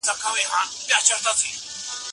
هغه اقتصاد چي پیاوړی وي خلګو ته ګټه رسوي.